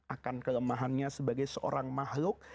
akan kelemahannya sebagai seorang mahluk